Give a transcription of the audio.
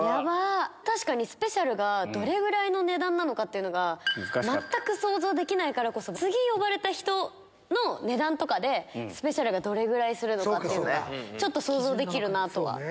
確かにスペシャルメニューがどれぐらいの値段なのかが全く想像できないからこそ次呼ばれた人の値段とかでスペシャルメニューがどれぐらいするのかちょっと想像できるなとは。